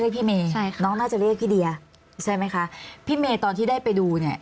พี่เมย์ใช่ค่ะน้องน่าจะเรียกพี่เดียใช่ไหมคะพี่เมย์ตอนที่ได้ไปดูเนี่ย